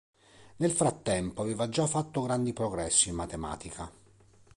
Nel frattempo aveva già fatto grandi progressi in matematica.